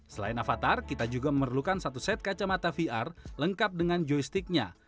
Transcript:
setelah kita mempunyai avatar kita bisa mencari avatar yang bisa kita pilih di aplikasi vr lengkap dengan joysticknya